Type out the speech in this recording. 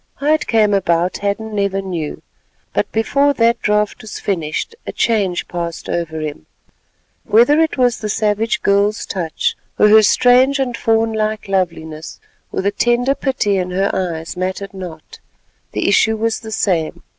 How it came about Hadden never knew, but before that draught was finished a change passed over him. Whether it was the savage girl's touch, or her strange and fawn like loveliness, or the tender pity in her eyes, matters not—the issue was the same.